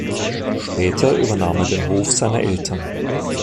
Später übernahm er den Hof seiner Eltern.